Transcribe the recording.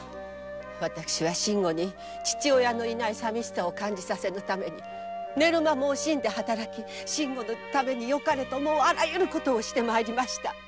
私は信吾に父親のいない寂しさを感じさせぬために寝る間も惜しんで働き信吾のため良かれと思うあらゆることをして参りました。